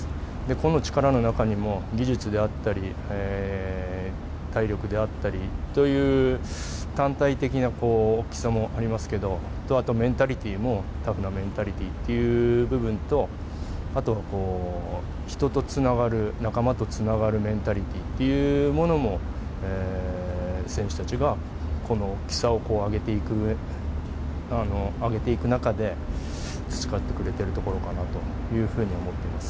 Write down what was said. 個の力の中にも技術であったり体力であったりという単体的な大きさもありますけどあと、メンタリティーもタフなメンタリティーという部分と人とつながる仲間とつながるメンタリティーというものも選手たちが大きさを上げていく中で培ってくれているところかなというふうに思います。